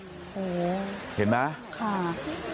โอ้โหเห็นไหมค่ะ